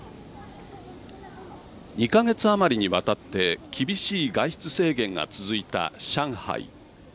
２か月余りにわたって厳しい外出制限が続いた上海。